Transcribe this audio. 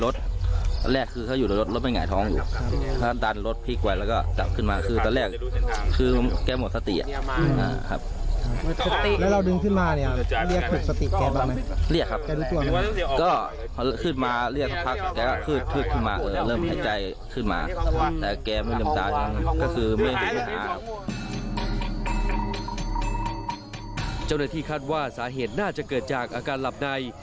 เจ้าหน้าที่คาดว่าสาเหตุน่าจะเกิดจากอาการหลับใน